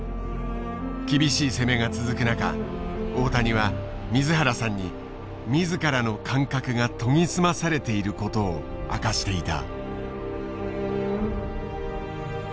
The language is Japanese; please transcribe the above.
厳しい攻めが続く中大谷は水原さんに自らの感覚が研ぎ澄まされていることを明かしていた。